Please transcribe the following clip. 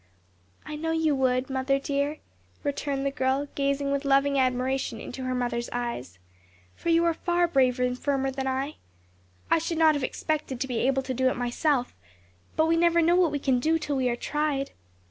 "I know you would, mother dear," returned the girl, gazing with loving admiration into her mother's eyes; "for you are far braver and firmer than I. I should not have expected to be able to do it myself, but we never know what we can do till we are tried.